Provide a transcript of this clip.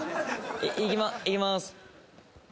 いきます。